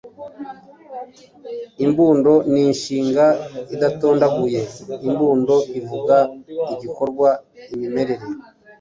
Imbundo ni inshinga idatondaguye. Imbundo ivuga igikorwa, imimerere